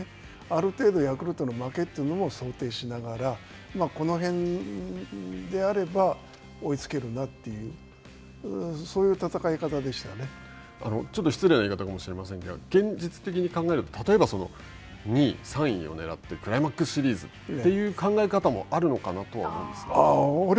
ある程度ヤクルトの負けというのも想定しながらこの辺であれば、追いつけるなという、そういう戦ちょっと失礼な言い方かもしれませんが、現実的に考えると、例えば２位３位をねらってクライマックスシリーズという考え方もあるのかなと思いますが。